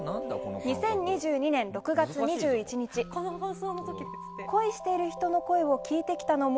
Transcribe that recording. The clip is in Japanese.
２０２２年６月２１日恋している人の声を聞いてきたの森。